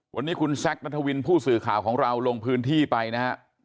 วันนี้คุณแซคนัทวินผู้สื่อข่าวของเราลงพื้นที่ไปนะครับ